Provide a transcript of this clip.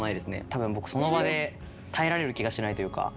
たぶん僕その場で耐えられる気がしないというか。